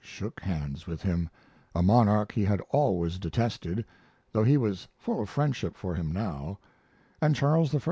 shook hands with him, a monarch he had always detested, though he was full of friendship for him now; and Charles I.